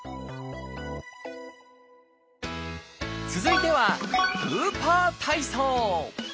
続いては「グーパー体操」